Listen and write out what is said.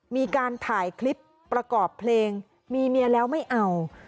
มีการถ่ายคลิปประกอบเพลงมีเมียแล้วไม่เอา